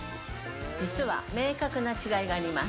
実は明確な違いがあります。